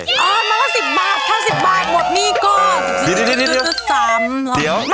อ่ามาก็สิบบาทแค่สิบบาทหมดหนี้ก้อ